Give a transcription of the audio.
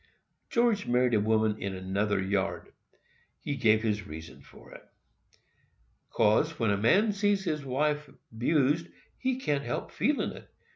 George married a woman in another yard. He gave this reason for it: "'Cause, when a man sees his wife 'bused, he can't help feelin' it.